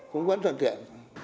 cũng vẫn thuận tiện